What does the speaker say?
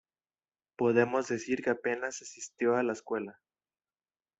Podemos decir que apenas asistió a la escuela.